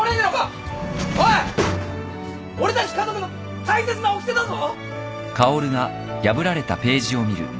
おい俺たち家族の大切なおきてだぞ。